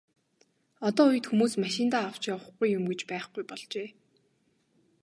Одоо үед хүмүүс машиндаа авч явахгүй юм гэж байхгүй болжээ.